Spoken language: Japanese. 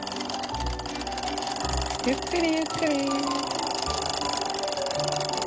ゆっくりゆっくり。